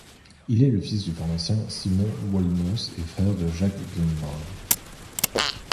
Il est le fils du pharmacien Simon Wollimhaus et frère de Jacques Gyllenborg.